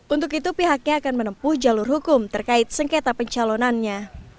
untuk itu pihaknya akan menempuh jalur hukum terkait sengketa pencalonannya